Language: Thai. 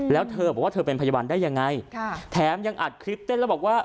แล้วเธอบอกว่าเธอเป็นพยาบาลได้ยังไงแถมยังอัดคลิปเต้นแล้วบอกว่า